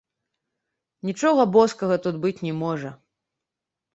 Нічога боскага тут быць не можа.